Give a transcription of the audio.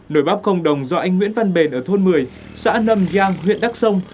nồi bắp không đồng do anh nguyễn văn bền ở thôn một mươi xã nầm giang huyện đắk song